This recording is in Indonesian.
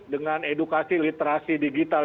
dengan edukasi literasi digital